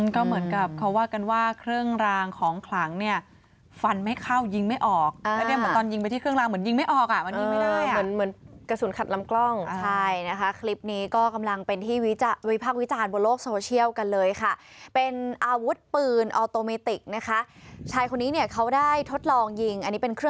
ก็เหมือนกับเขาว่ากันว่าเครื่องรางของขลังเนี่ยฟันไม่เข้ายิงไม่ออกแล้วเนี่ยเหมือนตอนยิงไปที่เครื่องรางเหมือนยิงไม่ออกอ่ะมันยิงไม่ได้เหมือนเหมือนกระสุนขัดลำกล้องใช่นะคะคลิปนี้ก็กำลังเป็นที่วิพากษ์วิจารณ์บนโลกโซเชียลกันเลยค่ะเป็นอาวุธปืนออโตเมติกนะคะชายคนนี้เนี่ยเขาได้ทดลองยิงอันนี้เป็นคร